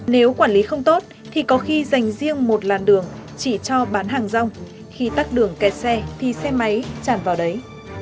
nếu quản lý không tốt thì có khi dành riêng một làn đường chỉ cho bán hàng rong khi tắt đường kẹt xe thì xe máy chản vào đấy